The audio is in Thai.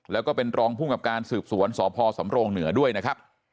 แล้วก็เป็นรองภูมิกับการสืบสวนสพสำโรงเหนือด้วยนะครับ